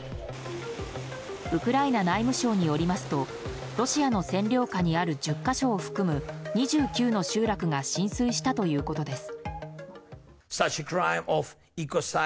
ウクライナ内務省によりますとロシアの占領下にある１０か所を含む２９の集落が浸水したということです。